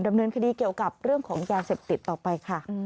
ดำเนินคดีเกี่ยวกับเรื่องของยาเสพติดต่อไปค่ะ